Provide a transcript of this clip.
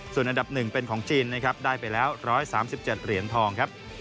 ส่วนอันดับ๑เป็นของจีนได้ไปแล้ว๑๓๗เหรียญทอง